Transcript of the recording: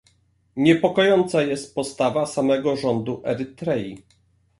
Niepokojąca jest postawa samego rządu Erytrei